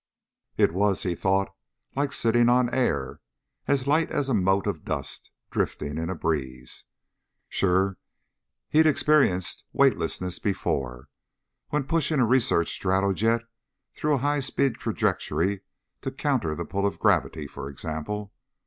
It was, he thought, like sitting on air, as light as a mote of dust drifting in a breeze. Sure, he'd experienced weightlessness before, when pushing a research stratojet through a high speed trajectory to counter the pull of gravity, for example.